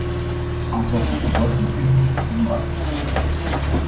Această situație este în curs de schimbare.